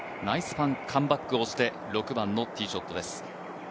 ナイスカムバックをして６番のティーショットです。